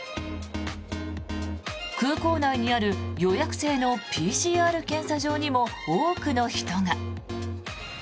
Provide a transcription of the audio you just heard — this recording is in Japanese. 空港内にある予約制のＰＣＲ検査場にも多くの人が。